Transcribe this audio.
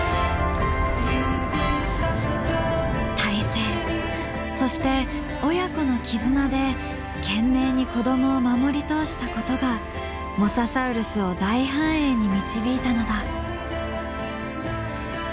胎生そして親子の絆で懸命に子どもを守り通したことがモササウルスを大繁栄に導いたのだ。